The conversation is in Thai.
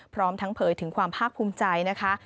พร้อมทั้งเผยถึงความภาคภูมิใจนะคะ